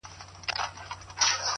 • پرېماني د نعمتونو د ځنګله وه -